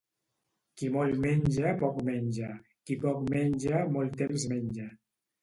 Qui molt menja poc menja; qui poc menja molt temps menja.